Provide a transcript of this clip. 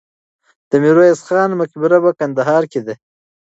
د میرویس خان مقبره په کندهار کې ده.